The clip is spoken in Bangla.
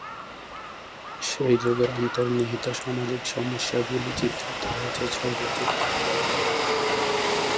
সেই যুগের অন্তর্নিহিত সামাজিক সমস্যাগুলি চিত্রিত হয়েছে ছবিতে।